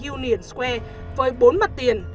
union square với bốn mặt tiền